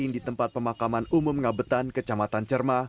di tempat pemakaman umum ngabetan kecamatan cerma